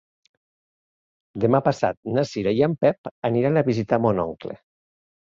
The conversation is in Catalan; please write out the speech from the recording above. Demà passat na Cira i en Pep aniran a visitar mon oncle.